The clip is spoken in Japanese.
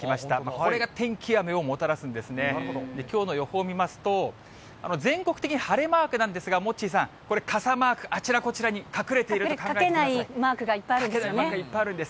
これが天気雨をもたらすんですね、きょうの予報見ますと、全国的に晴れマークなんですが、モッチーさん、これ、傘マーク、あちらこちらに隠れていると考え書けないマークがいっぱいあ書けないマークがいっぱいあるんです。